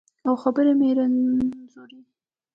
او خبرې مې رنځورې